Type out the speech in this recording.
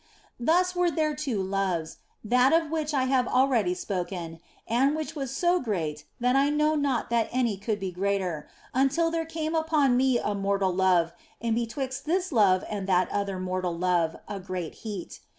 Thus were there two loves, that of which I have already spoken and which was so great that I knew not that any could be greater, until there came upon me a mortal love, and betwixt this love and that other mortal love a great heat.